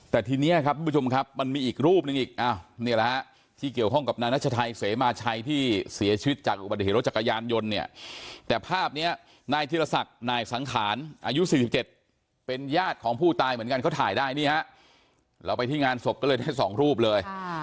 แต่ทีนี้ครับทุกผู้ชมครับมันมีอีกรูปหนึ่งอีกนี่แหละฮะที่เกี่ยวข้องกับนายนัชชัยเสมาชัยที่เสียชีวิตจากอุบัติเหตุรถจักรยานยนต์เนี่ยแต่ภาพนี้นายธิรศักดิ์นายสังขารอายุ๔๗เป็นญาติของผู้ตายเหมือนกันเขาถ่ายได้นี่ฮะเราไปที่งานศพก็เลยได้๒รูปเลย